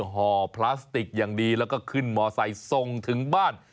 ห่อพลาสติกอย่างดีแล้วก็ขึ้นมอไซค์ส่งถึงบ้าน